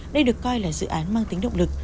đây được coi là dự án mang tính động lực